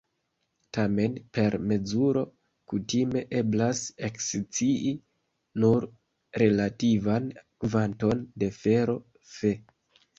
Tamen per mezuro kutime eblas ekscii nur relativan kvanton de fero Fe.